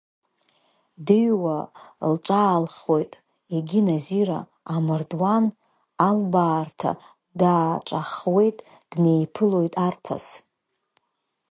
Дыҩуа лҿаалхоит Егьи Назира, амардуан албаарҭа дааҿаххуеит, днеиԥылоит арԥыс…